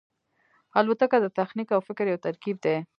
الوتکه د تخنیک او فکر یو ترکیب دی.